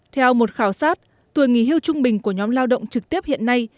theo một khảo sát tuổi nghỉ hưu trung bình của nhóm lao động trực tiếp hiện nay